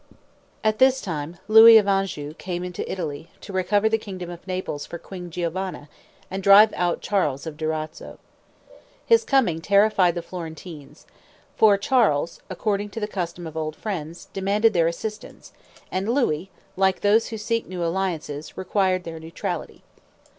At this time Louis of Anjou came into Italy, to recover the kingdom of Naples for Queen Giovanna, and drive out Charles of Durazzo. His coming terrified the Florentines; for Charles, according to the custom of old friends, demanded their assistance, and Louis, like those who seek new alliances, required their neutrality.